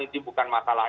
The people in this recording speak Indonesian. itu bukan masalah